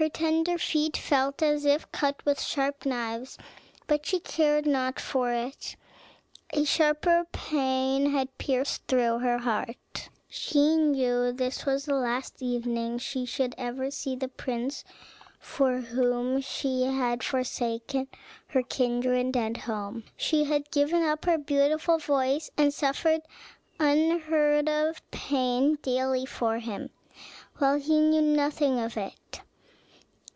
Her tender feet felt as if cut with sharp knives, but she cared not for it; a sharper pang had pierced through her heart. She knew this was the last evening she should ever see the prince, for whom she had forsaken her kindred and her home; she had given up her beautiful voice, and suffered unheard of pain daily for him, while he knew nothing of it.